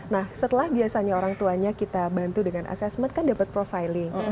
nah setelah biasanya orang tuanya kita bantu dengan asesmen kan dapat profiling